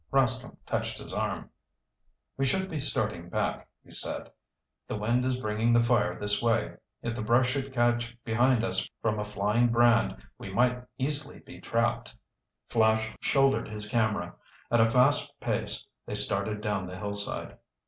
Rascomb touched his arm. "We should be starting back," he said. "The wind is bringing the fire this way. If the brush should catch behind us from a flying brand, we might easily be trapped." Flash shouldered his camera. At a fast pace they started down the hillside.